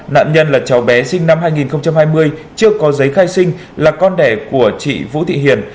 nạn nhân là cháu bé sinh năm hai nghìn hai mươi chưa có giấy khai sinh là con đẻ của chị vũ thị hiền